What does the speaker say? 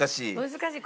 難しい。